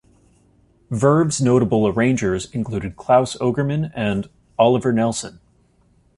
Verve's notable arrangers included Claus Ogerman and Oliver Nelson.